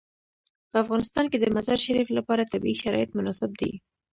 په افغانستان کې د مزارشریف لپاره طبیعي شرایط مناسب دي.